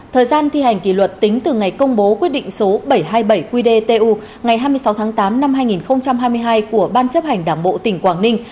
thời gian thi hành kỷ luật tính từ ngày công bố quyết định số bảy trăm hai mươi bảy qdtu ngày hai mươi sáu tháng tám năm hai nghìn hai mươi hai của ban chấp hành đảng bộ tỉnh quảng ninh